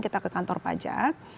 kita ke kantor pajak